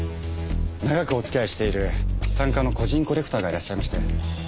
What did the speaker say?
長くおつきあいしている資産家の個人コレクターがいらっしゃいまして。